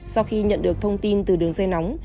sau khi nhận được thông tin từ đường dây nóng